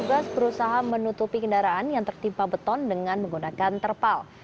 petugas berusaha menutupi kendaraan yang tertimpa beton dengan menggunakan terpal